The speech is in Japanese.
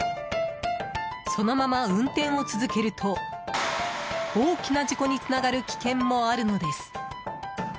そのまま運転を続けると大きな事故につながる危険もあるのです。